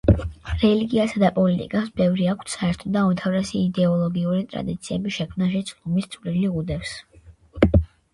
რელიგიასა და პოლიტიკას ბევრი აქვთ საერთო და უმთავრესი იდეოლოგიური ტრადიციების შექმნაშიც ლომის წვლილი უდევს.